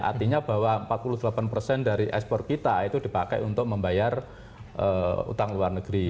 artinya bahwa empat puluh delapan persen dari ekspor kita itu dipakai untuk membayar utang luar negeri